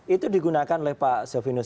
itu digunakan oleh pak sovinu ya